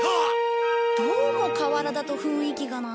どうも河原だと雰囲気がな。